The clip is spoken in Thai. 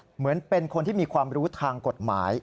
เหมือนเป็นคนที่มีความรู้ทางกฎหมาย